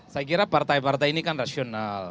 saya kira partai partai ini kan rasional